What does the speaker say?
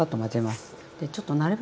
でちょっとなるべく早く。